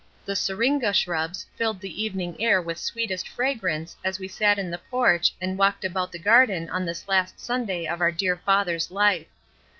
The syringa shrubs filled the evening air with sweetest fragrance as we sat in the porch and walked about the garden on this last Sunday of our dear father's life.